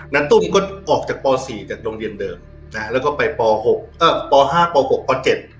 ตุ้มก็ออกจากปสี่จากโรงเรียนเดิมนะฮะแล้วก็ไปปหกเอ่อปห้าปหกปเจ็ด